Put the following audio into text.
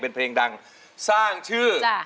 เป็นเพลงดังสร้างชื่อ